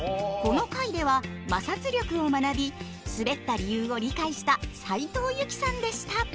この回では摩擦力を学び滑った理由を理解した斉藤由貴さんでした。